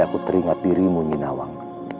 aku teringat dirimu nyinawang